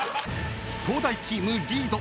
［東大チームリード］